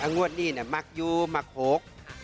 งวดนี้มักยูมะหก